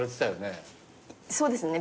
そうですね。